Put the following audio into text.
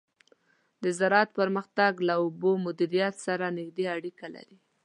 د زراعت پرمختګ له اوبو مدیریت سره نږدې اړیکه لري.